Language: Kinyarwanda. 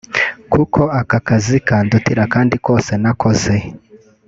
kuko aka kazi kandutira akandi kose nakoze